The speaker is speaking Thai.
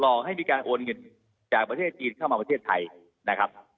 ให้มีการโอนเงินจากประเทศจีนเข้ามาประเทศไทยนะครับ